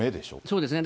そうですね。